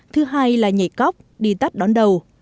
thứ hai là nhảy cóc đi tắt đón đầu